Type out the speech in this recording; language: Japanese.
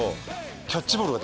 キャッチボールができる。